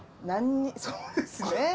何にそうですね。